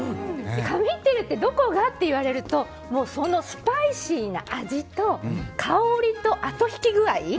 神ってるってどこがって言われるとそのスパイシーな味と香りと後引き具合。